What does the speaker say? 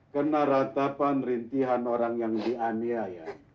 karena ratapan rintihan orang yang dianiaya